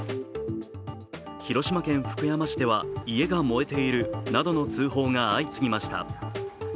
広島県福山市では家が燃えているなどの通報が相次ぎました。